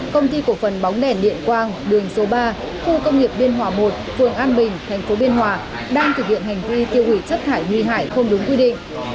công ty cổ phần bóng đèn điện quang đường số ba khu công nghiệp biên hòa một phường an bình thành phố biên hòa đang thực hiện hành vi tiêu hủy chất thải nguy hại không đúng quy định